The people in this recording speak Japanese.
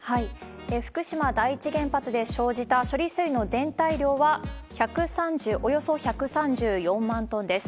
福島第一原発で生じた処理水の全体量は、およそ１３４万トンです。